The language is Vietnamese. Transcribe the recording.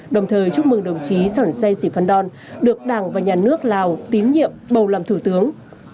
đồng thời chúc mừng đồng chí sỏn say sì phan đòn được đảng và nhà nước lào tín nhiệm bầu làm thủ tướng